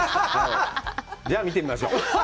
じゃあ見てみましょう。